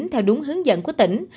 theo đúng hướng dẫn của tỉnh